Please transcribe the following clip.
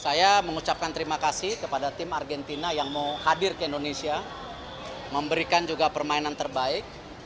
saya mengucapkan terima kasih kepada tim argentina yang mau hadir ke indonesia memberikan juga permainan terbaik